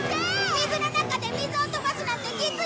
水の中で水を飛ばすなんて実に珍しい！